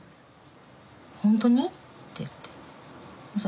「本当に？」って言ってそ